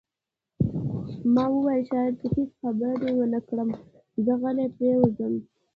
ما وویل: شاید هیڅ خبرې ونه کړم، زه غلی پرېوځم.